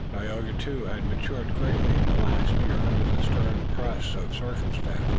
Tayoga, too, had matured greatly in the last year under the stern press of circumstance.